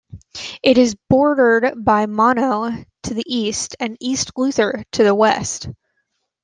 It is bordered by Mono to the east and East Luther to the west.